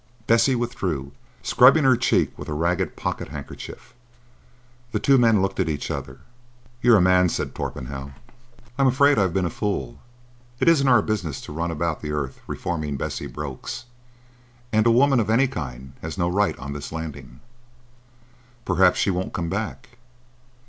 Bessie withdrew, scrubbing her cheek with a ragged pocket handkerchief. The two men looked at each other. "You're a man," said Torpenhow. "I'm afraid I've been a fool. It isn't our business to run about the earth reforming Bessie Brokes. And a woman of any kind has no right on this landing." "Perhaps she won't come back."